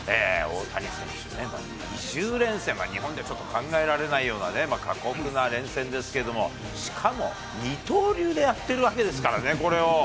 大谷選手、２０連戦、日本ではちょっと考えられないような過酷な連戦ですけれども、しかも二刀流でやってるわけですからね、これを。